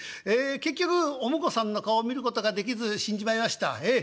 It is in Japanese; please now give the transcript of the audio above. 結局お婿さんの顔を見ることができず死んじまいましたええ。